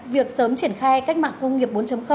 việc sớm triển khai cách mạng công nghiệp bốn